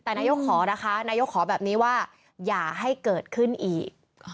แต่นายกขอนะคะนายกขอแบบนี้ว่าอย่าให้เกิดขึ้นอีก